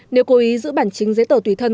nếu cố ý giữ bản chính giấy tờ tùy thân